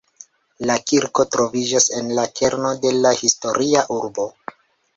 La kirko troviĝas en la kerno de la historia urbo.